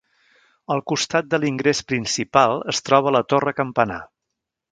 Al costat de l'ingrés principal es troba la torre-campanar.